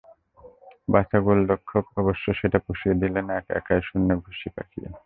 Barca গোলরক্ষক অবশ্য সেটা পুষিয়ে দিলেন একা একাই শূন্যে ঘুষি পাকিয়ে।